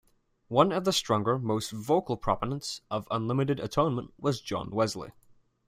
One of the stronger, more vocal proponents of Unlimited atonement was John Wesley.